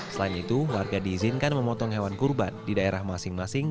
selain itu warga diizinkan memotong hewan kurban di daerah masing masing